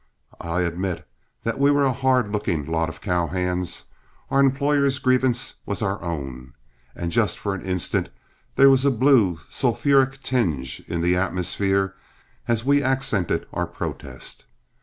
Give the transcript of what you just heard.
I admit that we were a hard looking lot of cow hands, our employer's grievance was our own, and just for an instant there was a blue, sulphuric tinge in the atmosphere as we accented our protest.